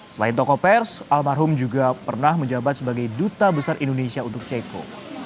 selain toko pers almarhum juga pernah menjabat sebagai duta besar indonesia untuk ceko